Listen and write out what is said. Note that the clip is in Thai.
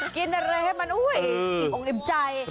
กินอะไรให้มันอุ้ย